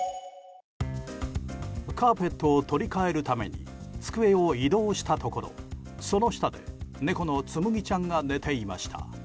カーペットを取り換えるために机を移動したところその下で猫のつむぎちゃんが寝ていました。